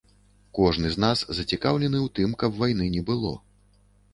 Кожны з нас зацікаўлены ў тым, каб вайны не было.